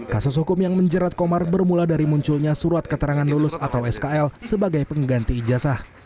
kasus hukum yang menjerat komar bermula dari munculnya surat keterangan lulus atau skl sebagai pengganti ijazah